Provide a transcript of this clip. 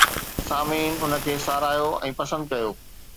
سامعين ان کي ساراهيو ۽ پسند ڪيو